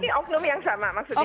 ini oknum yang sama maksudnya